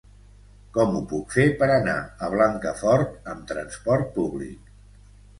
Com ho puc fer per anar a Blancafort amb trasport públic?